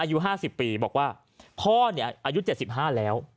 อายุ๕๐ปีบอกว่าพ่ออายุ๗๕แล้ว